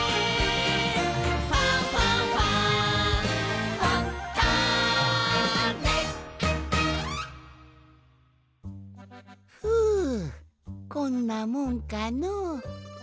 「ファンファンファン」ふうこんなもんかの。